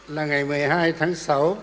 là ngày một mươi hai tháng sáu